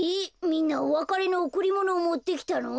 みんなおわかれのおくりものをもってきたの？